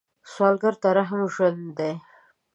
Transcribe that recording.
سوالګر ته رحم ژوند دی